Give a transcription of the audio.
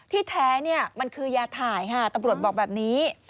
ที่แท้มันคือยาถ่ายค่ะตำรวจบอกแบบนี้